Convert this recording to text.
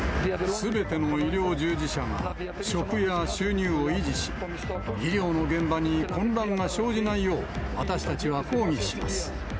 すべての医療従事者が、職や収入を維持し、医療の現場に混乱が生じないよう、私たちは抗議します。